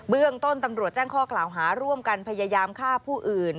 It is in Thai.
เรื่องต้นตำรวจแจ้งข้อกล่าวหาร่วมกันพยายามฆ่าผู้อื่น